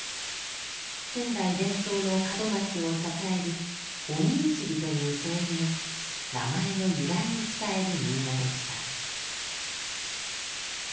仙台伝統の門松を支える「鬼打ち木」という添え木の名前の由来を伝える民話でした。